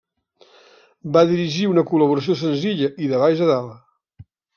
Va dirigir una col·laboració senzilla i de baix a dalt.